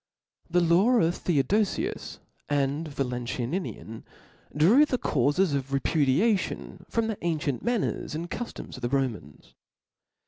HE law (*) of Theodofius and Valentinian(«)Leg.|. drew the caufes of repudiation from the an n°^^^f. cicnt manners (") and cuftoms of the Romans.